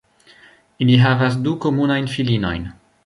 Ili havas du komunajn filinojn.